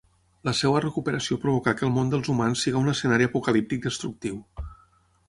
La seua recuperació provocà que el món dels humans siga un escenari apocalíptic destructiu.